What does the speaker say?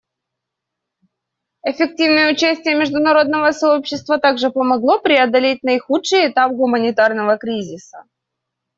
Эффективное участие международного сообщества также помогло преодолеть наихудший этап гуманитарного кризиса.